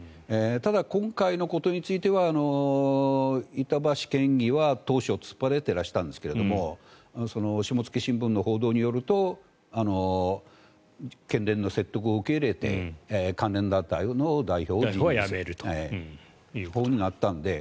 ただ、今回のことについては板橋県議は当初突っぱねてらしたんですが下野新聞の報道によると県連の説得を受け入れて関連団体の代表は辞めるとなったので。